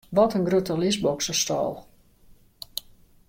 Wat in grutte lisboksstâl!